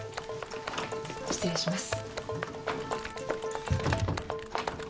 失礼します。